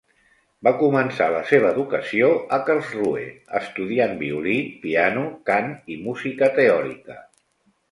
Va començar la seva educació a Karlsruhe estudiant violí, piano, cant i música teòrica.